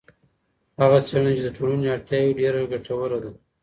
هغه څېړنه چي د ټولني اړتیا وي ډېره ګټوره ده.